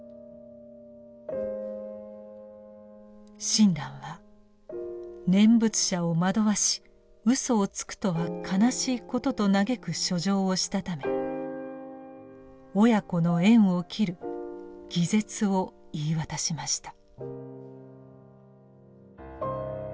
親鸞は「念仏者を惑わしうそをつくとは悲しいこと」と嘆く書状をしたため親子の縁を切る「義絶」を言い渡しました。